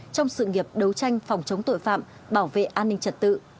trong sự nghiệp đấu tranh phòng chống tội phạm bảo vệ an ninh trật tự